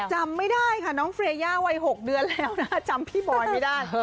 จำไม่ได้ค่ะน้องเฟรย่าวัย๖เดือนแล้วนะจำพี่บอยไม่ได้